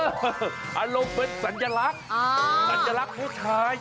อารมณ์เป็นสัญลักษณ์สัญลักษณ์ผู้ชาย